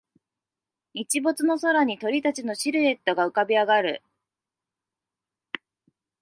日没の空に鳥たちのシルエットが浮かび上がる